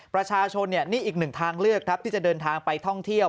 ประชาชนนี่อีกหนึ่งทางเลือกครับที่จะเดินทางไปท่องเที่ยว